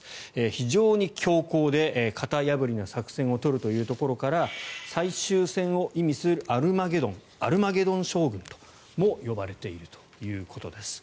非常に強硬で型破りな作戦を取るということから最終戦を意味するアルマゲドン将軍とも呼ばれているということです。